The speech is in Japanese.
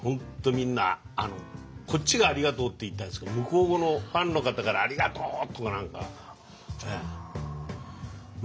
みんなこっちが「ありがとう」って言いたいんですけど向こうのファンの方から「ありがとう！」とか何かうれしかったですね。